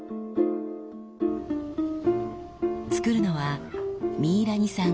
作るのはミイラニさん